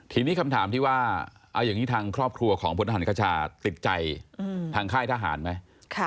ทีนี้คำถามที่ว่าเอาอย่างนี้ทางครอบครัวของพลทหารคชาติกใจทางค่ายทหารไหม